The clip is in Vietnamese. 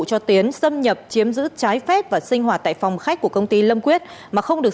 cho tiến xâm nhập chiếm giữ trái phép và sinh hoạt tại phòng khách của công ty lâm quyết mà không được